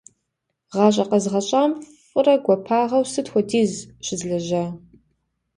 ГъащӀэ къэзгъэщӀам фӀырэ гуапагъэу сыт хуэдиз щызлэжьа?